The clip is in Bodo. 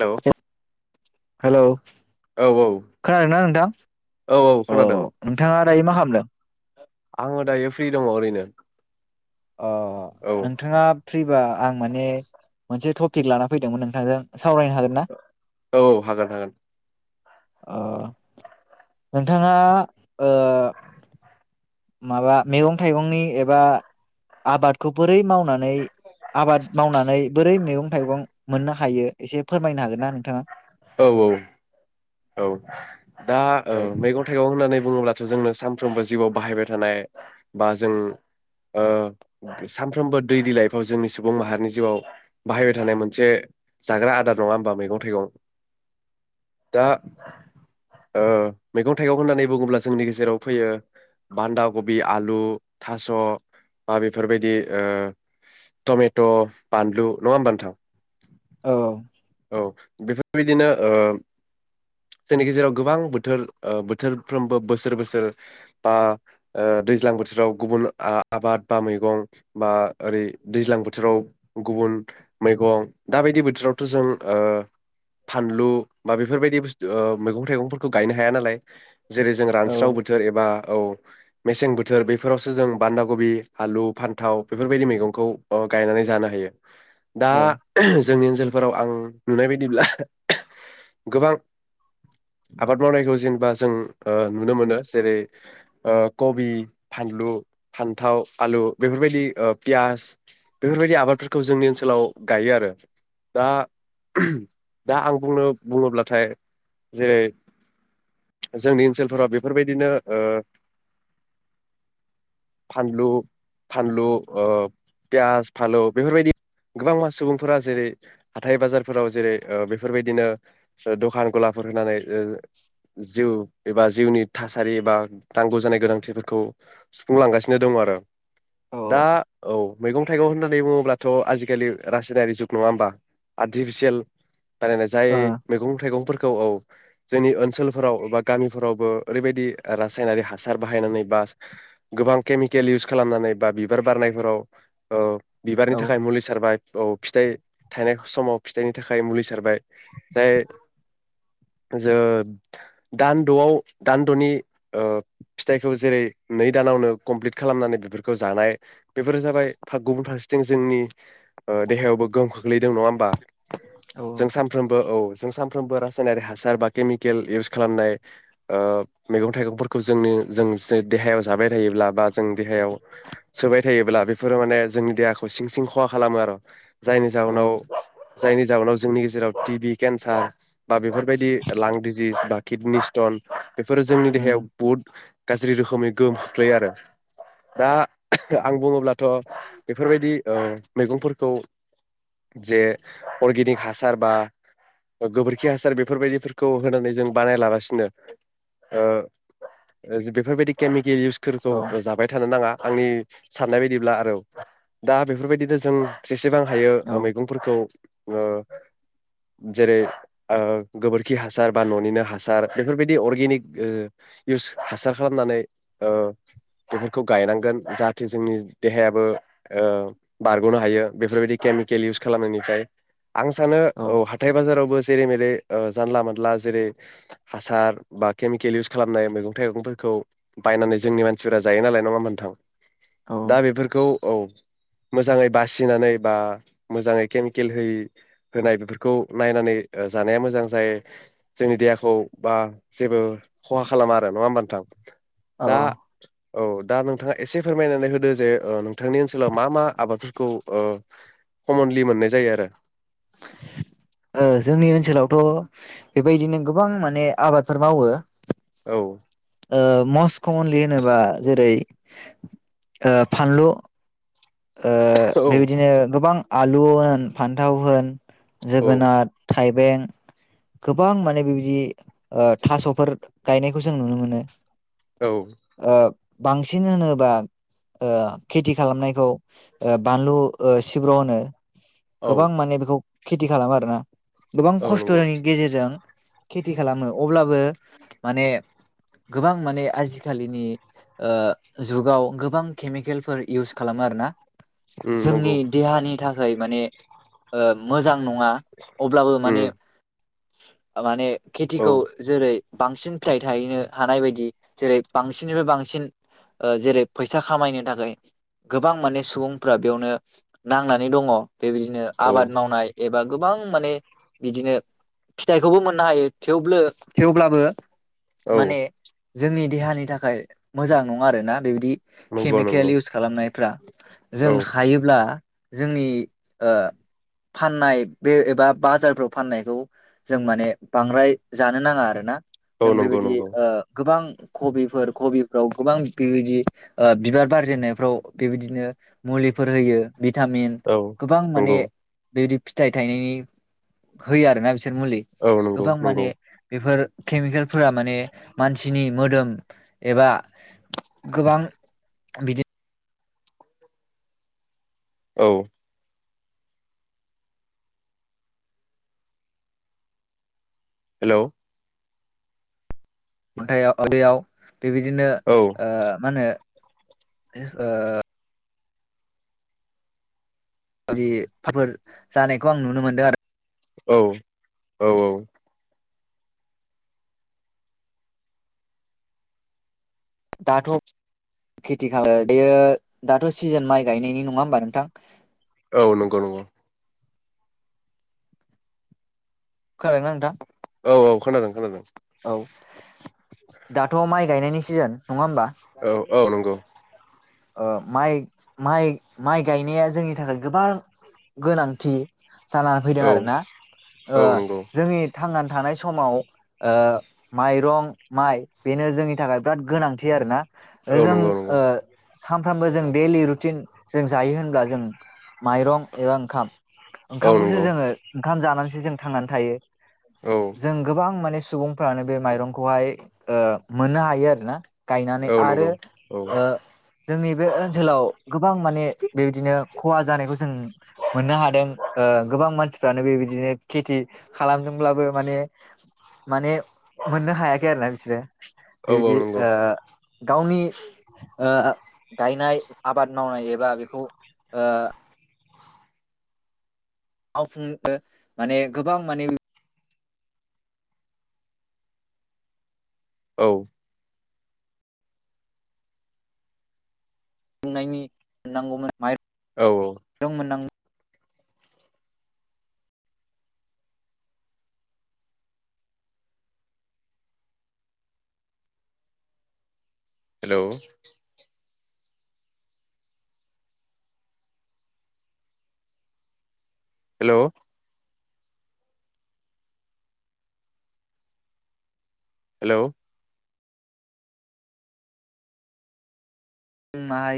हेलौ हेलौ औ औ खोनादोंना नोंथां औ औ खोनादों अ नोंथाङा दायो मा खालामदों? आङो दायो फ्रि दङ ओरैनो। अ औ नोंथाङा फ्रिबा। आं माने मोनसे टपिक लाना फैदोंमोन नोंथांजों। सावरायनो हागोन ना? औ हागोन हागोन। ओ नोंथाङा। माबा मैगं थाइगंनि एबा। आबादखौ बोरै मावनानै। आबाद मावनानै बोरै मैगं। मैगं थाइगं मोननो हायो एसे फोरमायनो हागोन ना नोंथाङा। औ औ औ दा औ मैगं थाइगं होननानै बुङोब्ला। जोंनो सानफ्रोमबो जिउआव बाहायबाय थानाय बा जों ओ सानफ्रोमबो दै लाइफआव जोंनि सुबुं माहारिनि जिउआव बाहायबाय थानाय मोनसे जाग्रा आदार नङा होमबा मैगं थाइगं। दा ओ मैगं थाइगं होननानै बुङोब्ला जोंनि गेजेराव फैयो बान्दा कबि आलु थास बा बेफोरबायदि टमेट बानलु नङा होमबा नोंथां। औ। औ बेफोरबायदिनो जोंनि गेजेराव गोबां बोथोर बोथोरफ्रोमबो बोसोर बोसोर बा दैज्लां बोथोराव गुबुन आबाद बा मैगं बा ओरै दैज्लां बोथोराव गुबुन मैगं दाबायदि बोथोराव। थ जों ओ फानलु बा बेफोरबायदि बुस्थु मैगं थाइगंफोरखौ गायनो हाया नालाय। जेरै जों औ रानस्राव बोथोर एबा औ मेसें बोथोर बेफोरावसो जों बान्दा गबि आलु फान्थाव बेफोर बायदि मैगंखौ ओ गायनानै जानो हायो। दा औ जोंनि ओनसोलाव फोराव आं नुनाय बायदिब्ला गोबां आबाद मावनायखौ जेनेबा जों नुनो मोनो जेरै कबि। फानलु, फान्थाव, आलु बेफोर बायदि पियास‌। बेफोर बायदि आबादफोरखौ जोंनि ओनसोलाव गायो आरो। दा दा आं बुंनो बुङोब्लाथाय जेरै जोंनि ओनसोलफोराव बेफोर बायदिनो ओ फानलु फानलु पियास फालौ बेफोर बायदि गोबां मा सुबुंफोरा जेरै हाथाय बाजारफोराव जेरै बेफोर बायदिनो दखान गलाफोर होनानै जिउ एबा जिउनि थासारि एबा नांगौ जानाय गोनांथिफोरखौ सुफुंलांगासिनो दङ आरो। ओ दा औ मैगं थाइगं होननानै बुङोब्लाथ' आजि खालि रासायनारि जुग नङा होमबा। आर्टिफिसियेल बानायनाय जाय औ मैगं थाइगंफोरखौ औ जोंनि ओनसोलफोराव बा गामिफोरावबो ओरैबायदि रासायनारि हासार बाहायनानै बा गोबां केमिकेल इउस खालामनानै बा बिबार बारनायफोराव ओ बिबारनि औ थाखाय मुलि सारबाय। औ फिथाइ थायनायखौ समाव फिथाइनि थाखाय मुलि सारबाय जाय जो दानद'आव दानद'नि फिथाइखौ जेरै नै दानावनो कमप्लिट खालामनानै बेफोरखौ जानाय बेफोर जाबाय गुबुन फारसेथिं जोंनि देहायावबो गोहोम खोख्लैदों नङा जों सानफ्रोमबो औ जों सानफ्रोमबो रासायनारिक हासार बा केमिकेल इउस खालामनाय ओ मैगं थाइगंफोरखौ जोंनि जों देहायाव जाबाय थायोब्ला बा जों देहायाव सोबाय थायोब्ला बेफोरो माने जोंनि देहाखौ सिं सिं खहा खालामो आरो। जायनि औ जाहोनाव जायनि जाहोनाव जोंनि गेजेराव टि भि केन्सार बा बेफोर बायदि लां डिजिस बा किडनि स्टन बेफोरो जोंनि उम देहायाव बहुद गाज्रि रोखोमै गोमख्लैयो आरो। दा आं बुङोब्ला थ' बेफोर बायदि ओ मैगंफोरखौ जे अर्गेनिक हासार बा गोबोरखि हासार बेफोर बायदिफोरखौ होनानै जों बानायलागासिनो ओ बेफोर बायदि केमिके औ इउसफोरखौ जाबाय थानो नाङा। आंनि साननाय बायदिब्ला आरो दा बेफोर बायदिनो जों जेसेबां हायो औ मैगंफोरखौ ओ जेरै ओ गोबोरखि हासार बा न'निनो हासार हासार बेफोर बायदि अर्गेनिक ओ इउस हासार खालामनानै ओ बेफोरखौ गायनांगोन जाहाथे जोंनि देहायाबो ओ बारग'नो हायो बेफोर बायदि केमिकेल इउस खालामनायनिफ्राय। आं सानो औ हाथाय बाजारावबो जेरै मेरै ओ जानला मोनानला जेरै हासार बा केमिकेल इउस खालामनाय मैगं थाइगंफोरखौ बायनानै जोंनि मानसिफोरा जायो नालाय नङा होमबा नोंथां? औ दा बेफोरखौ औ मोजाङै बासिनानै बा मोजाङै के गेलहै होनाय बेफोरखौ नायनानै जानाया मोजां जायो जाय जोंनि देहाखौ बा जेबो खहा खालामा आरो नङा होमबा नोंथां? औ दा औ दा नोंथाङा एसे फोरमायनानै होदो जे औ नोंथांनि ओनसोलाव मा मा आबादफोरखौ ओ कमनलि मोननाय जायो आरो। जोंनि ओनसोलावथ' बेबायदिनो गोबां माने आबादफोर मावो। औ ओ मस्ट कमनलि होनोबा जेरै ओ फानलु ओ औ बेबायदिनो गोबां आलु होन फान्थाव होन जोगोनाथ। थाइबें गोबां माने बेबायदि ओ थास'फोर गायनायखौ जों नुनो मोनो। औ ओ बांसिन होनोबा ओ खेथि खालामनायखौ ओ बानलु सिब्र' होनो औ गोबां माने बेखौ खेथि खालामो आरो ना। गोबां औ खस्थ' नंगौ नि गेजेरजों खेथि खालामो अब्लाबो माने गोबां माने आजिखालिनि ओ जुगाव गोबां केमिकेलफोर इउस खालामो आरोना। उम नंगौ जोंनि देहानि थाखा थाखाय माने ओ मोजां नङा अब्लाबो माने उम माने औ खेथिखौ जेरै बांसिन फिथाय थाहैनो हानाय बायदि जेरै बांसिननिफ्राय बांसिन जेरै फैसा खामायनो थाखाय गोबां माने सुबुंफ्रा बेयावनो नांनानै दङ। बेबायदिनो औ आबाद मावनाय एबा गोबां माने बिदिनो फिथाइखौबो मोननो हायो थेवबो थेवब्लाबो औ माने जोंनि देहानि थाखाय मोजां नङा आरोना बेबायदि नंगौ केमिकेल नंगौ इउस खालामनायफ्रा। औ जों हायोब्ला जोंनि ओ फाननाय बे एबा बाजारफ्राव फाननायखौ जों माने बांद्राय जानो नाङा आरोना। औ जों नंगौ बेबायदि नंगौ ओ गोबां कबिफोर कबिफ्राव गोबां बिअबायदि ओ बिबार बारजेननायफ्राव बेबायदिनो मुलिफोर होयो। भिटामिन औ गोबां माने नंगौ बिदि फिथाइ थायनायनि होयो आरोना बिसोर मुलि औ नंगौ गोबां नंगौ माने बेफोर खेमिकेलफोरा माने मानसिनि मोदोम एबा गोबां बिदि औ। हेलौ [unintelligible] बेबायदिनो औ ओ मा होनो ओ [unintelligible] जानायखौ आं नुनो मोनदों आरो औ औ औ। दाथ' खेथि [unintelligible] दाथ' सिजोन माइ गायनायनि नङा होमबा नोंथां। औ नंगौ नंगौ। खोनादोंना नोंथां? औ औ खोनादों खोनादों औ। दाथ' माइ गायनायनि सिजोन। नङा होमबा? औ औ नंगौ ओ माइ माइ माइ गायनाया जोंनि थाखाय गोबां गोनांथि जाना फैदों औ आरोना ओ औ नंगौ जोंनि थांनान थानाय समाव ओ माइरं माइ बेनो जोंनि थाखाय बिराद गोनांथि आरोना। औ जों नंगौ नंगौ ओ सानफ्रामबो जों डेलि रुटिन जों जायो होनब्ला जों माइरं एवा ओंखाम औ ओंखामखौसो नंगौ जोङो ओंखाम जानानैस जों थांनानै थायो। औ जों गोबां माने सुबुंफ्रानो बे माइरंखौहाय ओ मोननो हायो आरोना। गायनानै औ आरो नंगौ औ ओ जोंनि बे ओनसोलाव गोबां माने बेबायदिनो खहा जानायखौ जों मोननो हादों ओ गोबां मानसिफ्रानो बेबायदिनो खेथि खालामदोंब्लाबो माने माने मोननो हायाखै आरो ना बिसोरो औ औ बेबायदि नंगौ ओ गावनि ओ गायनाय आबाद मावनाय एबा बेखौ ओ मावफुंनो माने गोबां माने औ बुंनायनि मोननांगौमोन औ औ [unintelligible] दंमोनां हेलौ। हेलौ। हेलौ। मा [unintelligible]